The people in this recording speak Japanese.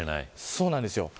そうなんです。